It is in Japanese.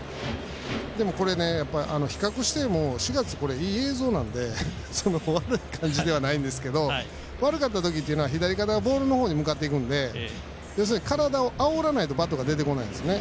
でもこれ比較しても、４月いい映像なんで悪い感じではないんですけど悪かった時っていうのは左肩がボールの方に向かっていくので体をあおらないとバットが出てこないんですね。